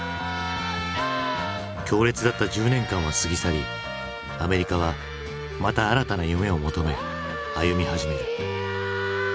強烈だった１０年間は過ぎ去りアメリカはまた新たな夢を求め歩み始める。